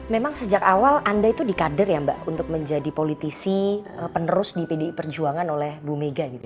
memang sejak awal anda itu di kader ya mbak untuk menjadi politisi penerus di pdi perjuangan oleh bu mega gitu